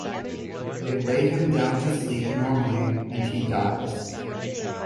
They lay him down to sleep normally, and he dies.